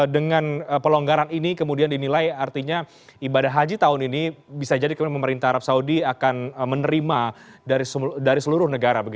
dengan pelonggaran ini kemudian dinilai artinya ibadah haji tahun ini bisa jadi pemerintah arab saudi akan menerima dari seluruh negara